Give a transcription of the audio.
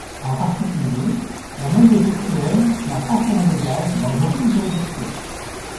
En particulier, la monnaie virtuelle n' a pas cours légal dans aucune juridiction.